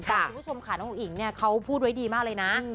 คุณผู้ชมค่ะน้องอุ้งอิงเขาพูดไว้ดีมากเลยนะ